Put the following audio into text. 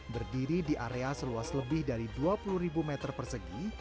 berdiri di area seluas lebih dari dua puluh ribu meter persegi